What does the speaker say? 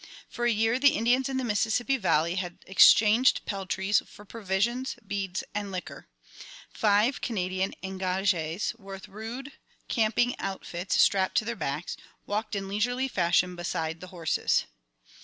For a year the Indians in the Mississippi valley had exchanged peltries for provisions, beads, and liquor. Five Canadian engagés, with rude camping outfits strapped to their backs, walked in leisurely fashion beside the horses.